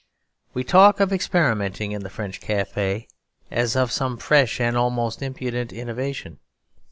We talk of experimenting in the French café, as of some fresh and almost impudent innovation.